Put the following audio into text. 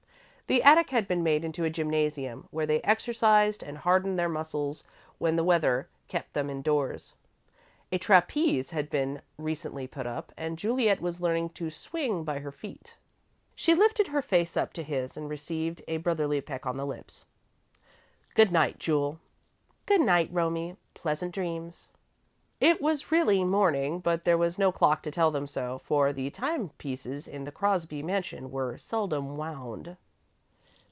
The attic had been made into a gymnasium, where they exercised and hardened their muscles when the weather kept them indoors. A trapeze had been recently put up, and Juliet was learning to swing by her feet. She lifted her face up to his and received a brotherly peck on the lips. "Good night, Jule." "Good night, Romie. Pleasant dreams." It was really morning, but there was no clock to tell them so, for the timepieces in the Crosby mansion were seldom wound.